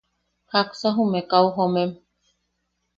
¿Jaksa jume kau jomem?